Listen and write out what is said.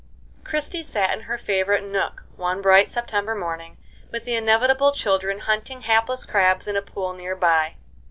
Christie sat in her favorite nook one bright September morning, with the inevitable children hunting hapless crabs in a pool near by.